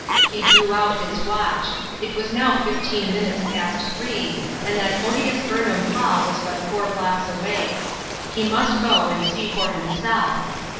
He drew out his watch ; it was now fifteen minutes past three, and that odious Burnham Hall was but four blocks away ; he must go and see for himself.